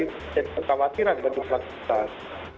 ini adalah kekhawatiran bagi pelaksanaan